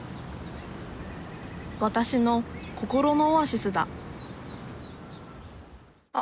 私の心のオアシスだあ